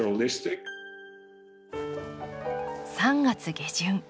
３月下旬。